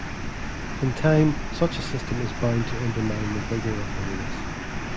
In time, such a system is bound to undermine the vigour of the race.